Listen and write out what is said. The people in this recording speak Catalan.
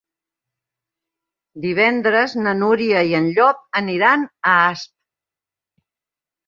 Divendres na Núria i en Llop aniran a Asp.